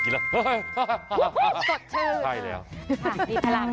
เพราะมันกินแล้วเฮ้ยฮ่าฮ่าฮ่า